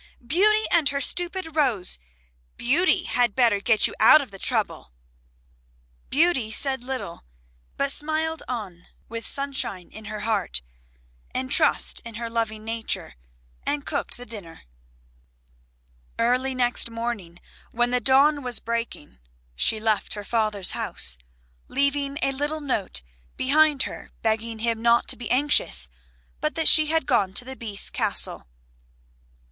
"Beauty and her stupid rose. Beauty had better get you out of the trouble." Beauty said little, but smiled on, with sunshine in her heart, and trust in her loving nature, and cooked the dinner. [Illustration: "WHEN SHE CAME TO THE GATE IN THE WALL SHE KNOCKED UPON IT THREE TIMES"] Early next morning when the dawn was breaking she left her father's house, leaving a little note behind her begging him not to be anxious but that she had gone to the Beast's castle.